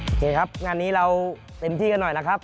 เคครับงานนี้เราเต็มที่กันหน่อยนะครับ